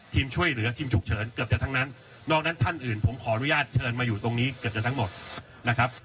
ช่วยเหลือทีมฉุกเฉินเกือบจะทั้งนั้นนอกนั้นท่านอื่นผมขออนุญาตเชิญมาอยู่ตรงนี้เกือบจะทั้งหมดนะครับ